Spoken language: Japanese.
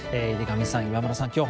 井手上さん今村さん